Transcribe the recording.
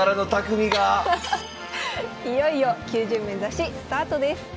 いよいよ９０面指しスタートです。